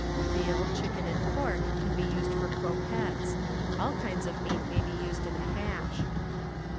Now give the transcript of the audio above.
Veal, chicken and pork can lett overs be used for cro(]uettes : all kinds of meat may be put in hash.